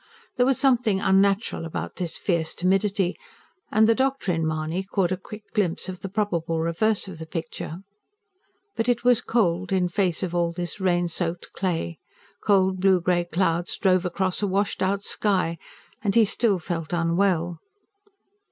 There was something unnatural about this fierce timidity and the doctor in Mahony caught a quick glimpse of the probable reverse of the picture. But it was cold, in face of all this rain soaked clay; cold blue grey clouds drove across a washed out sky; and he still felt unwell.